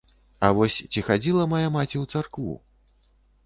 А вось ці хадзіла мая маці ў царкву?